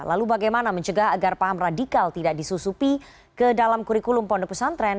lalu bagaimana mencegah agar paham radikal tidak disusupi ke dalam kurikulum pondok pesantren